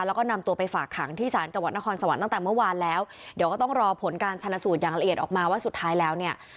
แล้วก็นำตัวไปฝากขังที่ศาลจังหวัดนครสวรรค์ตั้งแต่เมื่อวานแล้วเดี๋ยวก็ต้องรอผลการชนะสูตรอย่างละเอียดออกมาว่าสุดท้ายแล้วเนี่ย